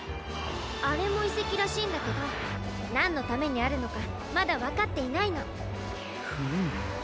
あれもいせきらしいんだけどなんのためにあるのかまだわかっていないの。フム。